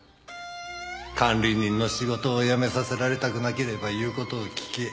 「管理人の仕事を辞めさせられたくなければ言う事を聞け。